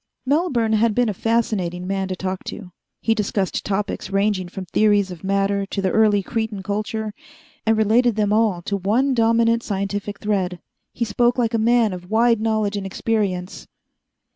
Melbourne had been a fascinating man to talk to. He discussed topics ranging from theories of matter to the early Cretan culture, and related them all to one dominant scientific thread. He spoke like a man of wide knowledge and experience....